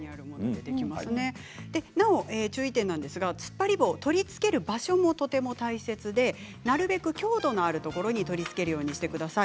なお、注意点ですがつっぱり棒を取り付ける場所もとても大切でなるべく強度のあるところに取り付けるようにしてください。